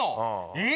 えっ？